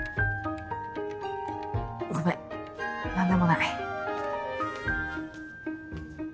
ごめん何でもない。